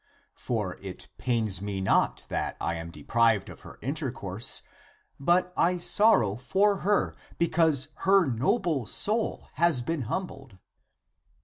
For it pains me not that I am deprived of her intercourse, but I sorrow for her, because her noble soul has been humbled.